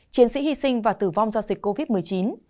chiến sĩ hy sinh và tử vong do dịch covid một mươi chín